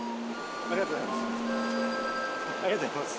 ありがとうございます。